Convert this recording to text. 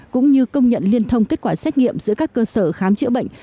cũng như công nhận liên thông kết quả xét nghiệm giữa các cơ sở khám chữa bệnh